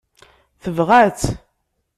Tebɣa-tt.